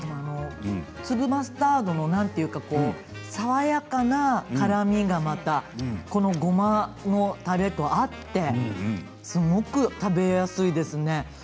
粒マスタードの爽やかな辛みがこの、ごまのたれと合ってすごく食べやすいですね。